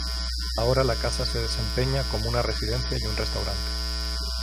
Ahora la casa se desempeña como una residencia y un restaurante.